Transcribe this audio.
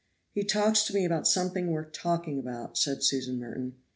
"He talks to me about something worth talking about," said Susan Merton.